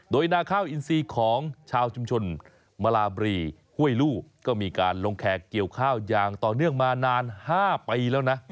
โดยนาข้าวอินซีของชาวชุมชนมาลาบรีห้วยลู่ก็มีการลงแขกเกี่ยวข้าวอย่างต่อเนื่องมานาน๕ปีแล้วนะ